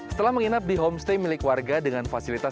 setelah menginap di homestay milik warga